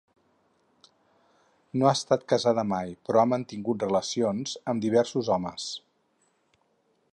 No ha estat casada mai, però ha mantingut relacions amb diversos homes.